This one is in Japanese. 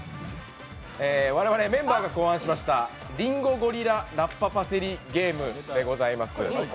我々メンバーが考案しました「りんご・ゴリラ・ラッパ・パセリゲーム」でございます。